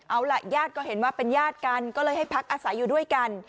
เอาล่ะญาติก็เห็นว่าเป็นญาติกันก็เลยให้พักอาศัยอยู่ด้วยกัน